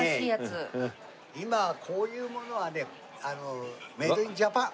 今こういうものはねメイド・イン・ジャパン。